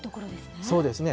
そうですね。